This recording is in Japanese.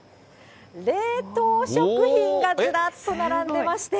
冷凍食品がずらっと並んでいまして。